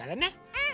うん！